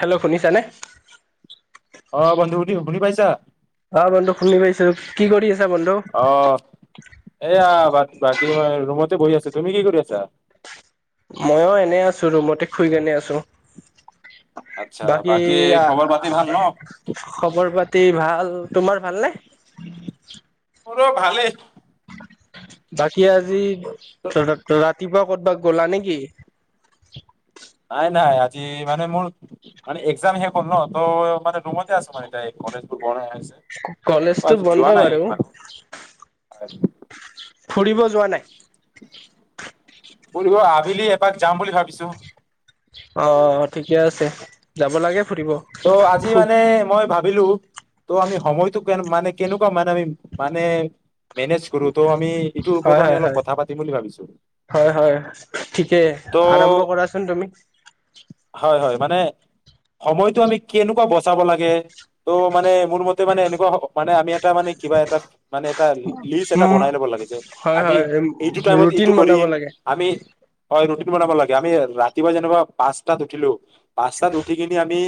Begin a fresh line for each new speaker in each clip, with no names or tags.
Hello শুনিছানে।
অ বন্ধু শুনি পাইছা।
অ বন্ধু শুনি পাইছোঁ কি কৰি আছ।
অ এয়া, বাক বাকী। কি ৰুমতে বহি আছা তুমি কি কৰি আছা।
ময়ো এনে আছো ৰুমতে শুই পিনে আছো।
আচ্ছা বাকী খৱৰ পাতি ভাল ন।
খবৰ পাতি ভাল তোমাৰ ভালনে।
মোৰো ভালেই
বাকী আজি। [unintelligible] ত ৰাতিপুৱা। ক'ৰবাত গ'লা নেকি।
নাই নাই আজি মানে মোৰ মানে একজাম শেষ হ'ল ন তৌ মানে ৰুমতে আছো মানে এ কলেজবোৰ বন হৈ আছে।
কলেজটো
আজি
বন্ধ
যোৱা নাই
বাৰু। ফুৰিব যোৱা নাই।
ফুৰিব আবেলি এপাক যাম বুলি ভাবিছো।
অ ঠিকে আছে, যাব লাগে। ফুৰিব।
ত' আজি
ফু
মানে মই ভাব। ভাবিলো ত' আমি সময়টো কে মানে কেনেকুৱা মানে আমি মানে। মেনেজ কৰো ত' আমি ইটোৰ ওপৰতো
হয়
আমি
হয়
অলপ
হয়,
কথা পাতিম বুলি ভাবিছো
হয় হয় ঠিকে আৰম্ভ
ত'
কৰাচোন তুমি।
হয় হয় মানে সময়ত। সময়টো আমি কেনেকুৱা বচাব লাগে ত' মানে মোৰ মতে মানে এনেকুৱা মানে আমি এটা মানে কিবা এটা মানে এটা। লিষ্ট এটা
উম
বনাই ল'ব লাগে যে
হয়
আমি
হয়
এইটো টাইমত
ৰুটিন
এইটো
বনাব
কৰিম
লাগে।
আমি। হয় ৰুটিটো বনাব লাগে আমি ৰাতিপুৱা যেনেকা পাঁচটাত উঠিলো পাঁচটাত উঠি কিনি আমি।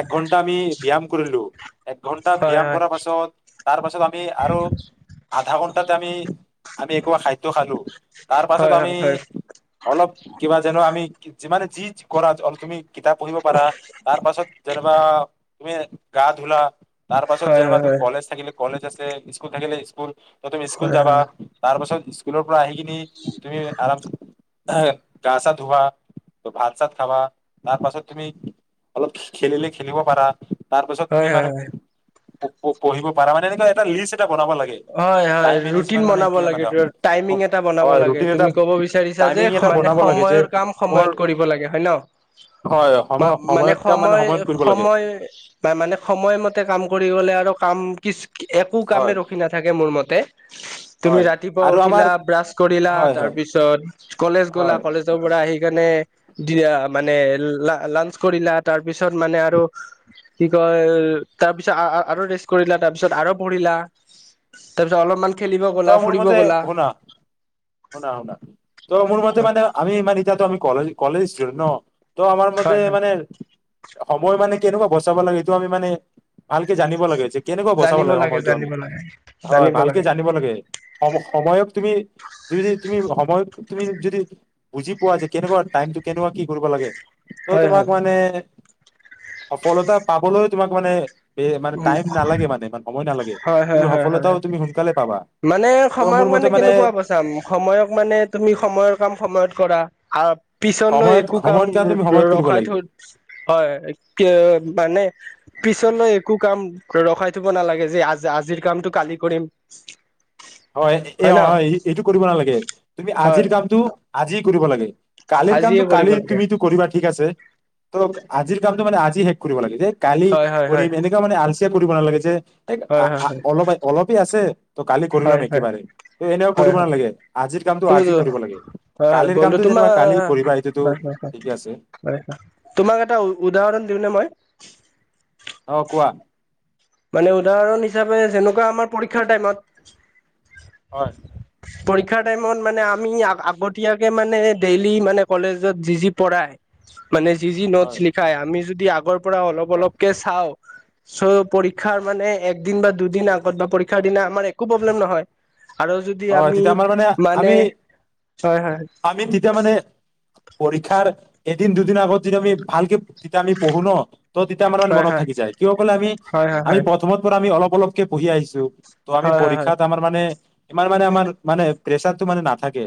এক ঘণ্টা আমি ব্যায়াম। কৰিলোঁ। এক ঘন্টা
হয়
ব্যায়াম
হয়
কৰাৰ পাছত তাৰ পাছত আমি আৰু আধা ঘন্টাতে আমি আমি একোবা খাদ্য খালো তাৰ পাছত
হয়
আমি
হয় হয়
অলপ কিবা যেনো আমি যিমানে যি কৰা অলপ তুমি? কিতাপ পঢ়িব পাৰা তাৰ পাছত। যেনেবা তুমি গা ধুলা। তাৰ পাছত
হয় হয়
যেনিবা ত
হয়।
কলেজ থাকিল কলেজ। যে স্কুল থাকিলে স্কুল। ত তুমি স্কুল
হয়
যাবা তাৰ পাছত স্কুলৰ পৰা আহি কিনি তুমি আৰাম গা চা ধোৱাা ভাত চাত খাবা তাৰ পাছত তুমি অলপ খেলিলে খেলিব পাৰা। তাৰপাছত তুমি
হয়
মানে
হয়
পঢ়িব পাৰ মানে এনেকুৱা এটা লিষ্ট। এটা বনাব লাগে
হয় হয়
টাইম
ৰুটিন
মেনেজমেন্ট মানে
বনাব
এইটোৱে
লাগ
মানে
টাইমিং এটা বনাব
হয়
লাগে
ৰুটিন এটা
তুমি ক'ব বিচাৰিছা যে
টাইমিং এটা
মানে
বনাব লাগে যে
সময়ৰ কাম
মোৰ
সময়ত কৰিব লাগে হয় ন
হয় সময়
মানে
সময়ত কাম
সময়। [unintelligible] এই
সময়ত কৰিব লাগে
সময় মানে সময়মতে কাম কৰি গলে আৰু কাম কিছ। একো কামে
হয়
ৰখ। তে মোৰ মতে তুমি
হয়
ৰাতিপুৱা
আৰু আমাৰ
উঠিলা ব্ৰাছ কৰিলা
হয়
তাৰ
হয়
পিছত কলেজ গলা
হয়
কলেজৰ পৰা আহি কেনে? দিয়া মানে লাঞ্চ কৰিলা তাৰপিছত মানে আৰু কি কয় তাৰপিছত আৰু ৰেষ্ট কৰিলা তাৰপিছত আৰু পঢ়িলা। তাৰপিছত অলপমানান।
ত মোৰ মতে শুনা শুনা শুনা ত মোৰ মতে মানে আমি মানে এতিয়াতো আমি কলেজ। কলেজ স্তোডেন্ত শ? ত' আমাৰ মতে
হয় হয়।
মানে সময় মানে কেনেকুৱা বচাব লাগে। তো আমি মানে ভালকে জানিব লাগে। কেনেকুৱা বচাব
জানিব লাগে
সময়টো আমি
জানিব লাগে
হয়
জানিব
ভালকে
লাগে।
জানিব সময়ক তুমি যদি তুমি সময়ক তুমি যদি বুজি পোৱা যে কেনেকুৱা টাইমটো কেনেকুৱা কি কৰিব লাগে। ত
হয়
তোমাক
হয়।
মানে। সফলতা পাবলৈও তোমাক মানে ব মানে
উম
টাইম নালাগে মানে ই সময় নালাগে
হয় হয়
তুমি
হয় হয়
সফলতাও
হয়।
তুমি সোনকালে। পাবা
মানে
ত' মোৰ
সময়ক
মতে
মানে কেনেকুৱা ব চাম সময়ক মানে তুমি সময়ৰ কাম সময়ত কৰা। আৰু পিছলৈ
সময়ত
একো কাম
সময়ত তুমি সময়ত কৰিব
ৰখাই
লাগিব
থৈ হয় মানে পিছলৈ। কাম ৰখাই থব নালাগে যে আজ আজিৰ কামটো কালি কৰিম।
হয় এ অ হয় এইটো কৰিব নালাগে। তুমি
হয়।
আজিৰ কামটো আজি কৰিব লাগে। কালিৰ কামটো
আজিয়ে কৰিব
কালি
লাগে
তুমি কৰিবা ঠিক আছে। ত আজিৰ কামটো মানে আজি শেষ কৰিব লাগে। দ কালি
হয় হয় হয়
কৰিম এনেকোৱা মানে আলোচনা তে কৰিব নালাগে। যে
হয় হয়
অলপ অলপে আছে ত কালি কৰি
হয়
ল'ম
হয়
একেবাৰে ত এনেকুৱা
হয়
কৰিব
হয়
নালাগে আজিৰ কামটো
হয়
আজি কৰিব লাগে
হয়
কালিৰ
বন্ধু
কামটো যেনিবা কালি কৰিবা এইটোতো
হয় হয় হয়
ঠিকে আছে
তোমাৰ তোমাক এটা উদাহৰণ দিওঁনে মই
অ কোৱা
মানে উদাহৰণ হিচাপে যেনেকোৱা আমাৰ পৰীক্ষাৰ টাইমত
হয়।
পৰীক্ষাৰ টাইমত মানে আমি আগতীয়াকে মানে ডেইলি মানে কলেজত যি যি পঢ়ায় মানে যি যি নোটছ
হয়
লিখায় আমি যদি আগৰ পৰা অলপ
হয়
অলপকে চাওঁ চ পৰী ক্ষাৰ
হয়
মানে একদিন বা দুদিন আগত বা পৰীক্ষাৰ দিনা আমাৰ একো প্ৰব্লেম নহয়। আৰু যদি
হয়
আমি
তেতিয়া আমাৰ মানে আমি
হয় হয়
আমি তেতিয়া মানে পৰীক্ষাৰ এদিন দুদিনৰ আগত যেতিয়া আমি ভালকে তেতিয়া আমি পঢ়ো ন ত তেতিয়া আমাৰ মানে
হয়
মনত
হয়
থাকি যায়। কিয় কলে আমি
হয় হয়
আমি
হয়
প্ৰথমৰ পৰা আমি অলপ অপলকে পঢ়ি আহিছো। ত আমি
হয় হয় হয়
পৰীক্ষাত আমাৰ মানে ইমান মানে আমাৰ মানে প্ৰেছাৰটো মানে নাথাকে।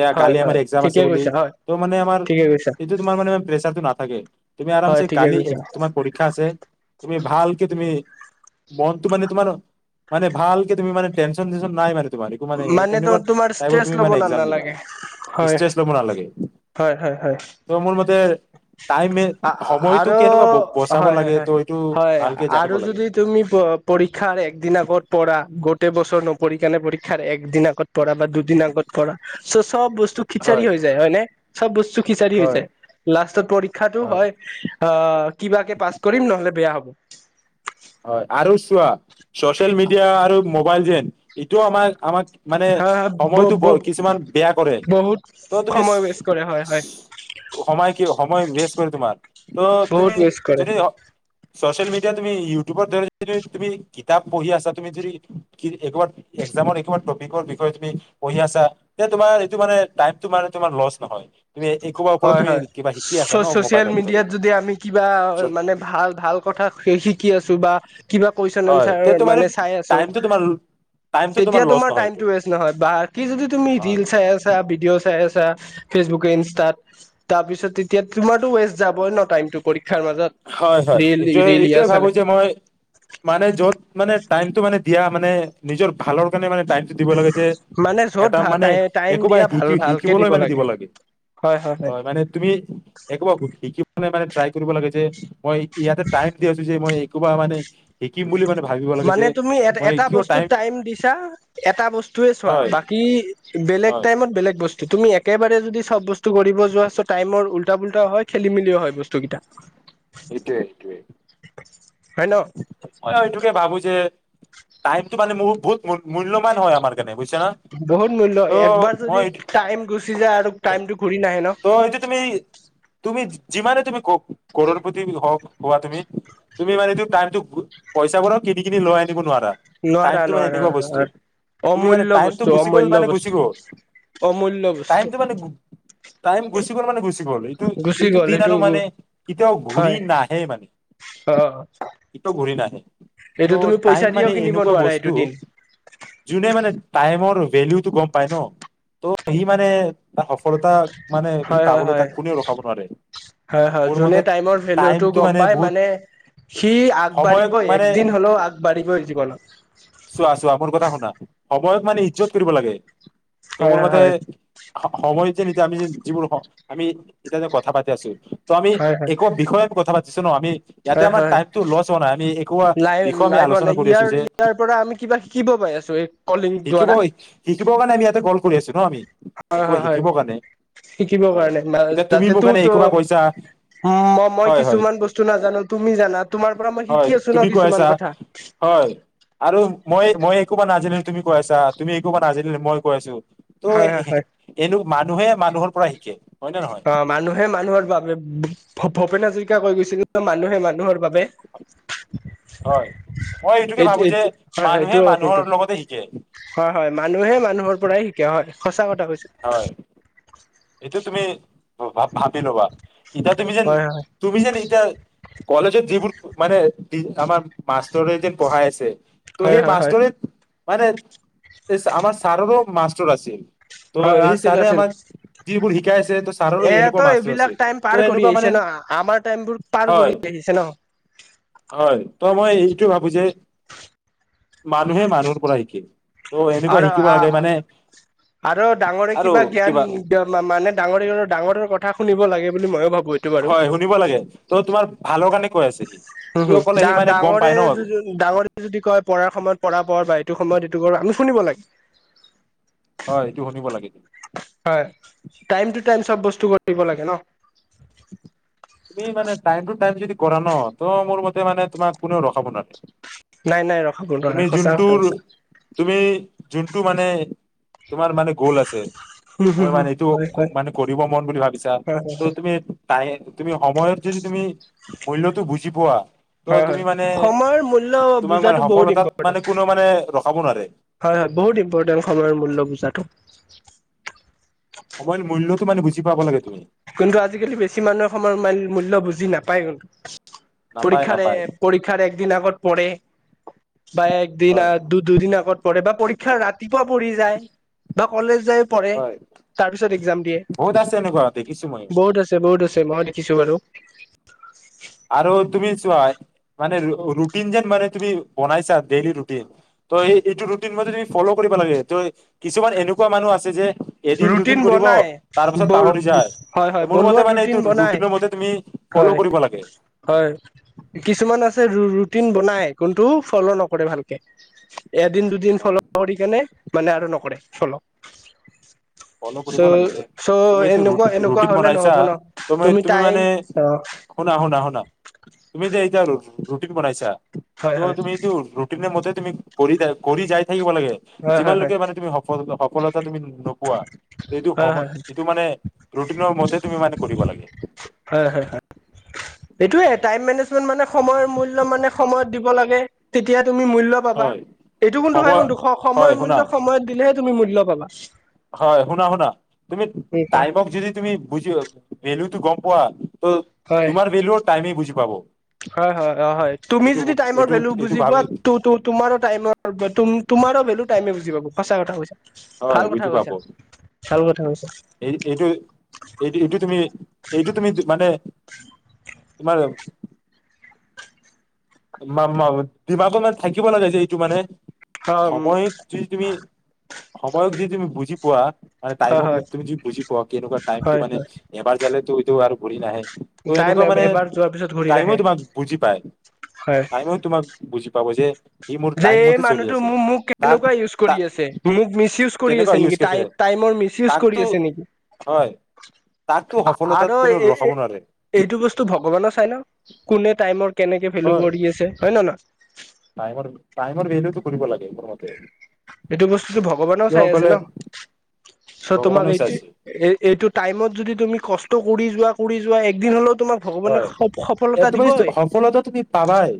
এয়া
হয়
কালি আমাৰ
হয়
এক্সাম আছে
ঠিকে
বুলি
কৈছা হয়
ত' মানে আমাৰ
ঠিকে কৈছা
এইটো তোমাৰ মানে প্ৰেচাৰটো না তাকে। তুমি
হয়
আৰামছে
ঠিকে
কালি
কৈছা।
তোমাৰ পৰীক্ষা আছে। তুমি ভালকে তুমি মনটো মানে তোমাৰ মানে ভালকে তুমি মানে টেনচন চেনচন নাই মানে তোমাৰ একো
মানে ত
এনেকুৱা
তোমাৰ
টাইপত
ষ্ট্ৰেচ
তুমি
লব
মানে
ন
এক্জাম দিবা
নালাগে। হয়
ষ্ট্ৰেছ ল'ব নালাগে
হয় হয় হয়
ত' মোৰ মতে টাইম সময়টো
আৰু
কেনেকুৱা ব বচাব
হয় হয়
লাগে ত'
হয়
এইটো
হয়
ভালকে জানিব
আৰু
লাগে।
যদি তুমি পৰীক্ষাৰ একদিন আগত পঢ়া গো টেই বছৰ নপঢ়িকিনে পৰী ক্ষাৰ একদিন আগত পঢ়া বা দুদিন আগত পঢ়া। চব বস্তু খিচাৰি
হয়।
হৈ যায়। হয় নে? চব বস্তু খিচাৰি
হয়
হৈছে লাষ্টত পৰীক্ষাটো হয় অ কিবাকে পাছ কৰিম নহলে বেয়া হ'ব। [unintelligible]
হয় আৰু চোৱা চচিয়েল মিডিয়া আৰু মোবাইল যেন এইটোও আমাৰ আমাক মানে
হা
সময়তো কিছুমান বেয়া কৰে
বহুত
।ত' তুমি চ
সময় ৱেষ্ট কৰে হয় হয়
ইচ সময় সময় বেচ কৰে তোমাৰ ত'
বহুত
তুমি
ৱেষ্ট কৰে।
যদি চচিয়েল মিডিয়া তুমি ইউ তুমি কিতাপ পঢ়ি আছা, তুমি যদি একবাৰে এক্সামৰ একবাৰ টপিকৰ বিষয়ে তুমি পঢ়ি আছা, ত তোমাৰ এইটো মানে টাইমটো মানে তোমাৰ লষ্ট নহই।
হয় হয়, ছ ছচিয়েল
মোবাইলত ধৰি
মিডিয়াত যদি আমি কিবা মানে ভাল ভাল কথা শি শি কি আছো বা। কিবা কুৱেশচন
হয়
এনচাৰ
তে তোমাৰ
মানে চাই আছো,
টাইমটো তোমাৰ টাইমটো
তেতিয়া
লছ
তোমাৰ
নহয়
টাইম
এইটো
টো ৱেষ্ট নহয় বাকী যদি তুমি
হয়
ৰিল চাই আছা ভিডিঅ' চাই আছা। ফেচবুকে, ইনষ্টাত তাৰপিছত তেতিয়া তোমাৰো ৱেষ্ট যাবই ন টাইমটো কৰি।
হয় হয়, এটোৱে এইটোৱে ভাবো
চালে
যে মই মানে যত মানে টাইমটো মানে। এতিয়া মানে নিজৰ ভালৰ কাৰণে মানে টাইমটো দিব লাগে।
মানে য'ত
এটা মানে
টাইম
একোবাই
দিয়া ভাল
শিকি
ভালকে
শিকিবলৈ মানে দিব লাগে। হয়, মানে তুমি একোবা শিকিব। মানে মানে ত্ৰাই কৰিব লাগে যে। মই ইয়াতে টাইম দি আছো যে, মই একোবা মানে শিকিম বুলি মানে ভাবিব লাগে যে
মানে তুমি এট
মই
এটা
কিয়
বস্তুত টাইম দিছা এটা বস্তুৱে চোৱা
হয়
বাকি বেলেগ
হয়
টাইমত বেলেগ বস্তু তুমি একেবাৰে যদি চব বস্তু কৰিব যোৱা, চ টাইমৰ উল্টা পুল্টাও হয়, খেলি মেলিও হয় বস্তু কেইটা।
এটোৱে সেটোৱে।
হয় ন
হয় আও এইটোকে ভাবিছো। যে টাইমটো মানে মূল বহুত মূল্যবান হয় আমাৰ কাৰণে। বুজিছা না
বহুত মূল্য
ত'
একবাৰ যদি
মই এইটো
টাইম গুচি যায় আৰু টাইমটো ঘূৰি নাহে ন।
ত' সেইটো তুমি তুমি যিমানে তুমি ক কৰৰ প্ৰতি হওক হোৱা তুমি, তুমি মানে টো। টাইমটো, পইচাবোৰও কিনি কিনি লৈ আনিব নোৱাৰো।
নোৱাৰা
টাইমটো মানে
নোৱাৰা
এনেকুৱা বস্তু,
নোৱাৰা।
তুমি মানে
অমূল্য
টাইমটো
বস্তু
গুচি গল
অমূল্য
মানে গুচি
বস্তু
গল,
অমূল্য বস্তু
টাইমটো মানে টাইম গুচি গল মানে গুচি গল, এইটো
গুচি
এইটো
গ'ল
দিন আৰু মানে কেতিয়াও ঘূৰি
হয়
নাহে মানে।
অ
টো ঘূৰি নাহে।
এইটো তুমি
ত'
পইচা
টাইম
দিও
মানে
কিনিব
এনেকুৱা
নোৱাৰা এইটো
বস্তু
দিন
যোনে মানে। টাইমৰ ভেলউটো গম পাই ন, ত সি মানে তাক সফলতা মানে সি
হয় হয়
পাবলৈ
হয়,
কোনেও ৰখাব নোৱাৰে
হয় হয়,
মোৰ মতে
যোনে টাইমৰ ভেলুটো
টাইমটো
গম পায়
বহুত
মানে সি আ
সময়ক
আগবাঢ়িবই
মানে
একদিন হলেও আগবাঢ়িবই জীৱনত।
চোৱা চোৱা মোৰ কথা শুনা, সময়ত মানে ইজ্জত কৰিব লাগে। ত,
হয়
মোৰ মতে
হয়
সময় তি আমিযেন যিবোৰ হ আমি এতিয়া যে কথা পাতি আছো ত আমি
হয় হয়
একো বিষয়ে কথা পাতি আমি ইয়াতে
হয়
আমাৰ
হয়
টাইম। লছ হোৱা নাই আমি একো আ
লাই
বিষয়ে আমি
লাইভত
আলোচনা কৰি আছো
ইয়াৰ
যে,
ইয়াৰ পৰা আমি কিবা শিকিব পাই আছো এই কলিং
শিকিব
দ্বাৰা
শিকিব কাৰণে আমি কল কৰি আছো ন আমি।
হয়
একো
হয় হয়
শিকিবৰ কাৰণে
শিকিব
হয়
কাৰণে
এতিয়া তুমি
যাতে
মোৰ
তো
কাৰণে
তো
একোবা কৈছা
ম মই
হয় হয়
কিছুমান
ত
বস্তু নাজানো তুমি জানা তোমাৰ পৰা মই
হয়
শিকি আছো ন
তুমি কৈ
কিছুমান
আছা
কথা
হয় আৰু মই মই একো বা নাজানিলো তুমি কৈ আছা তুমি একো বা নাজানিলে মই কৈ আছো। ত
হয় হয় হয়
এনো মানুহে মানুহৰ পৰা শিকে। হয় নে নহয়
অ', মানুহে মানুহৰ বাবে ভূপেন হাজৰিকা কৈ গৈছিলে মানুহে মানুহৰ বাবে।
হয়
[unintelligible]
মই এইটোকে ভাবো
এইটো
যে
এইটো হয় হয়
মানুহে
এইটো
মানুহৰ লগতে শিকে
হয় হয় মানুহে মানুহৰ পৰাই শিকে হয়। সঁচা। কৈছা।
সেইটো তুমি ভাবি ল'বা। ইতিয়া তুমি যে
হয় হয়
তুমি যে ইতিয়া কলেজৰ যিবোৰ মানে আমাৰ মাষ্টৰে যেন পঢ়াই আছে। ত
হয়
সেই
হয় হয়
মাষ্টৰে মানে আমাৰ ছাৰৰো মাষ্টৰ আছিল। ত এই চাৰে আমাৰ
এ তো এইবিলাক টাইম
ত'
পাৰ কৰি
এনেকুৱা মানে
আহিছে ন আমাৰ টাইমবোৰ পাৰ
হয়
কৰি আহিছে ন।
হয় ত মই এইটোয়ে ভাবো যে মানুহে মানুহৰ পৰা শিকে ত' এনেকুৱা
আৰু
শিকিব লাগে মানে
আৰু
আৰু কিবা
ডাঙৰ ডাঙৰৰ কথা শুনিব লাগে বুলি ময়ো ভাবোঁ।
হয় শুনিব লাগে ত তোমাৰ ভালৰ কাৰণে কৈ আছিল।
উম হুম ডাঙ ডাঙৰে ডাঙৰে যদি কয় পঢ়াৰ সময়ত পঢ়া পঢ় বাই। এইটো সময়ত এইটো কৰ আমি শুনিব লাগে।
হয় ইেইটো শুনিব লাগে।
হয় টাইম টু টাইম চব বস্তু কৰিব লাগে ন।
তুমি মানে টাইম টো টাইম যদি কৰা ন ত মোৰ মতে মানে তোমাক কোনেও ৰখাব নোৱাৰে।
নাই নাই ৰ
তুমি জোনটোৰ তুমি জোনটো মানে তোমাৰ মানে গ'ল আছে। মই মানে এইটো
হয় হয়
মানে কৰিব মন বুলি ভাবিছা
হয় হয়
ত তুমি তাই তুমি সময়ত যদি তুমি মূল্যটো বুজি পোৱা ত
হয়
তুমি
হয়
মানে
সময়ৰ মূল্য
তোমাক মানে
বুজাটো ব বহুত
সফলতাত মানে
ইম্পৰটেন্ট
কোনো মানে ৰখাব নোৱাৰে
হয় হয় বহুত ইম্পৰটেণ্ট সময়ৰ মূল্য বুজাটো।
সময় মূল্যটো মানে বুজি পাব লাগে তুমি
কিন্তু আজিকালি বেছি মানুহে সময়ৰ মূল্য বুজি নাপায় কিন্তু
নাপায়
পৰীক্ষাৰ
নাপায়
পৰীক্ষাৰ একদিন আগত পঢ়ে বা একদিন
হয়
দু দুদিন আগত পৰীক্ষা ৰাতিপুৱা পঢ়ি যায় বা কলেজ যাই পঢ়ে
হয়
তাৰ পিছত একজাম দিয়ে
বহুত আছে এনেকুৱা দেখিছো মই
বহুত আছে বহুত আছে মই দেখিছো বাৰু
আৰু তুমি তোৱাই মানে ৰুটিন যেন মানে তুমি বনাইছা ডেইলি ৰুটিন, ত এইটো ৰুটিন মতে তুমি ফ'ল' কৰিব লাগে ত কিছুমান এনেকুৱা মানুহ আছে যে, এদিন দুদিন
ৰুটিন
কৰিব
বনাই
তাৰ পাছত পাহৰি যায়
হয় হয়
মোৰ মতে
বনোৱাত
মানে এইটো
ৰুটিন বনাই
ৰুটিনৰ মতে তুমি ফল'
হয়
কৰিব লাগে।
হয় কিছুমান আছে ৰুটিন বনাই কোনটো ফল' নকৰে ভালকে। এদিন দুদিন
হয়
ফল কৰি কেনে মানে আৰু নকৰে ফল
ফল' কৰিব লাগে
চ'
যে
চ'
তুমি এইটো
এনেকুৱা এনেকুৱা
ৰুটিত
হলে
বনাইছা,
নহ'ব ন
তুমি তুমি
টাইম
মানে
অ
শুনা শুনা শুন না তুমি যে এতিয়া ৰুটিন বনাইছা।
হয়
ত'
হয়
তুমি এইটো ৰুটিনৰ মতে তুমি কৰি কৰি যায়। থাকিব লাগে
হয়
যিমান
হয় হয়
লোকে মানে তুমি সফল সফলতা তুমি ন- পোৱা এইটো
হয়
সময়
হয়
এইটো মানে ৰুটিনৰ মতে তুমি মানে কৰিব লাগে।
হয় হয় হয় এইটোয়ে টাইম মেনেজমেন্ট মানে সময়ৰ মূল্য মানে সময়ত দিব লাগে তেতিয়া তুমি মূল্য পাবা
হয়
এইটো কোনটো হয়
সময়
কিন্তু
হয়
সময়ৰ
শুনা
মূল্য সময়ত দিলেহে তুমি মূল্য কলা
হয় শুনা শুনা তুমি
এনেকুৱা
টাইমক যদি তুমি বুজি ভেলোটো গম পোৱা ত'
হয়
তোমাৰ ভেলুও টাইমে বুজি পাব
হয় হয় হয় হয় তুমি
এইটো
যদি টাইমৰ
এইটো
ভেলু
এইটো
বুজি পোৱা
ভাবি
তোমাৰো টাইমৰ তোমাৰো ভেলু টাইমে বুজি পাব সঁচা কথা কৈছা। ভাল
হয়
কথা
বুজি পাব
কৈছা ভাল কথা কৈছা।
এই এইটো এইটো এইটো তুমি এইটো তুমি মানে তোমাৰ মাম মাৱে দমাকো মানে থাকিব লগাই যে এইটো মানে
অ', উম,
সময়ক যদি তুমি সময়ক যদি তুমি বুজি পোৱা মানে
হয়,
টাইমক
হয়,
যদি বুজি পোৱা। কেনেকুৱা টাইমটো
হয়,
মানে
হয়,
এবাৰ যালে তই - টো আৰু ঘূৰি নাহে। ত'
তাই
এনেকুৱা মানে
এবাৰ যোৱাৰ পিছত ঘূৰি
টাইমো
নাহে।
তোমাক বুজি পায়।
হয়,
টাইমো তোমাক বুজি পাব যে- ই মোৰ
যে
টাইম
এই
মতে চলি
মানুহটো
আছে
মোক, মোক
তাক
কেনেকুৱা ইউজ কৰি
তাক
আছে। মোক মিচ- ইউজ কৰি
কেনেকুৱা
আছে
ইউজ
নেকি,
কৰিছে
টাইমৰ মিচ- ইউজ কৰি
তাকতো
আছে নেকি।
হয় তাকতো সফলতাত
আৰু
কোনো
এই,
ৰখাব নোৱাৰে
এইটো বস্তু ভগৱানৰ চাই ন' কোনে টাইমৰ-। কেনেকৈ ভেলু
হয়
কৰি আছে। হয়, নে নহয়।
টাইমৰ টাইমৰ ভেলিতো কৰিব লাগে মোৰ মতে।
এইটো বস্তুতটো ভগৱানেও
কিয়
চাই আছে
ক'লে
ন। চ' তোমাক
ভগৱানেও
এইটোয়ে
চাইছে
এইটো টাইমত যদি তুমি-। কষ্ট কৰি যোৱা, কৰি যোৱা একদিন হ'লো-।
হয়। এ' তুমি সফলতা তুমি পাবাই,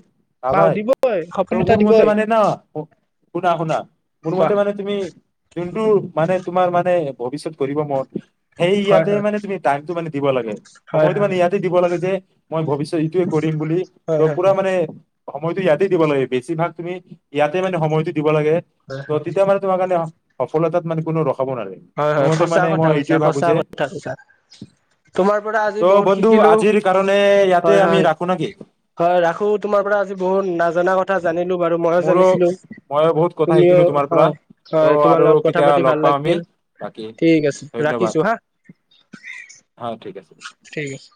বা
পাবাই।
দিবই
ত'
সফলতা
মোৰ মতে
দিবই
মানে ন' শুনা, শুনা-। মোৰ
কোৱা
মতে মানে তুমি-। যোনটো মানে, তোমাৰ মানে ভৱিষ্যত'ত কৰিব মন- সেই
হয়, হয়,
ইয়াতে মানে তুমি টাইমটো মানে-। দিব লাগে।
হয়,
সময়টো
হয়,
মানে
হয়।
ইয়াতে দিব মই ভাবো যে এইটোৱে কৰি-। ম বুলি।
হয়
ত'
হয়
পুৰা
হয়
মানে-। সময়তটো ইয়াতে দিব লাগে। বেছি ভাগ তুমি ইয়াতে মানে সময়টো-। দিব লাগে।
হয়
ত'
হয়
তেতিয়া মই তমাৰ কাৰণে-। সফল তা'ত মানে কোনো-। ৰখাব নোৱাৰে
হয়,
মোৰ
হয়,
মতে
সচা
মানে
কথা
মই
কৈছা,
এইটোৱে ভাবো
সচা
যে
কথা কৈছা। তোমাৰ পৰা আজি
ত'
বহুত
বন্ধু
সিকিলো। সিকিলো।
আজিৰ কাৰণে ইয়াতে
হয়,
আমি
হয়,
ৰাখো নেকি
হয় ৰাখো। তোমাৰ পৰা আজি বহুত নজনা কথা জানিলো বাৰু। মইও
মোৰো
জানিছিলো
মই বহুত কথা
তুমিও
শিকিলো তোমাৰ পৰা
হয়, হয়
ত'
তোমাৰ
আৰু
লগত কথা
কেতিয়া
পাতি ভাল
লগ পাম
লাগিল।
আমি বাকী
ঠিক আছে। ৰাখিছো
ধন্যবাদ
হাঁ।
হা ঠিক আছে
ঠিক আছে।